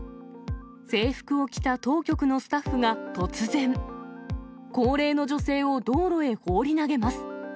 制服を着た当局のスタッフが突然、高齢の女性を道路へ放り投げます。